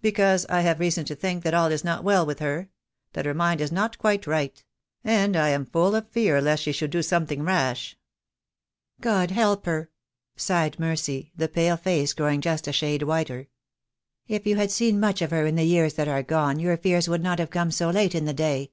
"Because I have reason to think that all is not well with her — that her mind is not quite right — and I am full of fear lest she should do something rash." "God help her," sighed Mercy, the pale face growing just a shade whiter. "If you had seen much of her in the years that are gone your fears would not have come so late in the day."